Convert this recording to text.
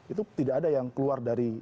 itu tidak ada yang keluar dari